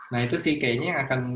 nah itu sih kayaknya akan